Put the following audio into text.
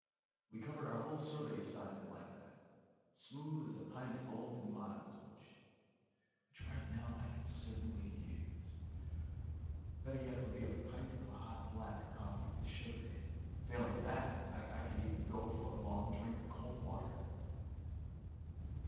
We covered our whole survey assignment like that, smooth as a pint of old and mild which right now I could certainly use. Better yet would be a pint of hot black coffee with sugar in. Failing that, I could even go for a long drink of cold water.